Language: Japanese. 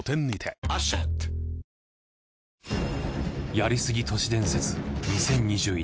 「やりすぎ都市伝説２０２１